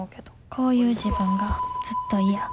こういう自分がずっと嫌。